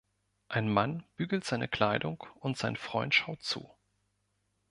Ein Mann bügelt seine Kleidung und sein Freund schaut zu.